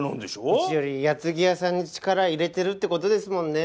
うちより八ツ木屋さんに力入れてるって事ですもんね。